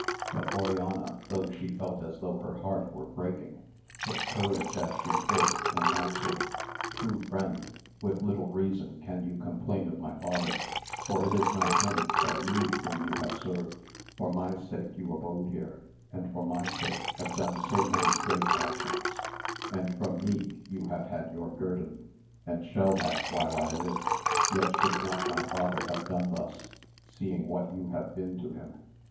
But Oriana, though she felt as though her heart were breaking, took courage as she could and answered, True friend, with little reason can you complain of my father, for it is not him but me whom you have served, for my sake you abode here, and for my sake have done so many great actions, and from me you have had your guerdon, and shall have while I live ; yet should not my father have done thus, seeing what you have been to him.